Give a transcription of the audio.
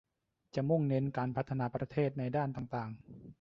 จะมุ่งเน้นการพัฒนาประเทศในด้านต่างต่าง